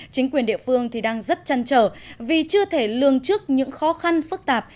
chính quyền địa phương thì đang rất chăn trở vì chưa thể lương trước những khó khăn phức tạp